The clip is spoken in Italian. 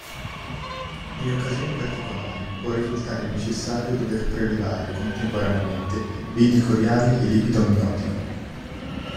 In occasioni particolari può risultare necessario dover prelevare contemporaneamente villi coriali e liquido amniotico.